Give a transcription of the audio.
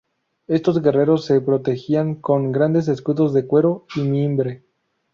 Estos guerreros se protegían con grandes escudos de cuero y mimbre.